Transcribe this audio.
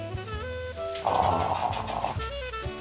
ああ。